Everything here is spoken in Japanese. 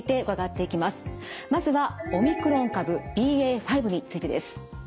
まずはオミクロン株ＢＡ．５についてです。